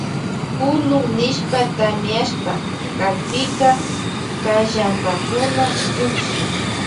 Kulun nishpa tamiashpa kakpika kallanpakuna llukshin.